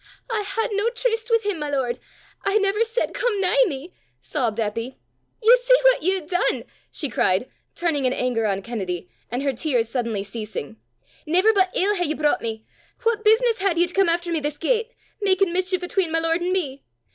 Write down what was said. "I had no tryst wi' him, my lord! I never said come nigh me," sobbed Eppy. " Ye see what ye hae dune!" she cried, turning in anger on Kennedy, and her tears suddenly ceasing. "Never but ill hae ye broucht me! What business had ye to come efter me this gait, makin' mischief 'atween my lord an' me?